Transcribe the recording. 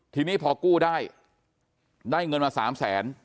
ทีนี้พอกู้ได้ได้เงินมา๓แสน